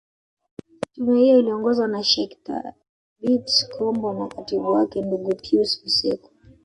Tume hiyo iliongozwa na Sheikh Thabit Kombo na katibu wake ndugu Pius Msekwa